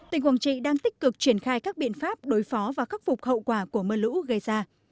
tỉnh quảng trị đang tích cực triển khai các biện pháp đối phó và khắc phục hậu quả của mưa lũ gây ra